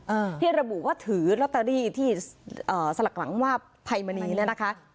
อ่าที่ระบุว่าถือลอตเตอรี่ที่เอ่อสลักหลังว่าภัยมณีเนี่ยนะคะ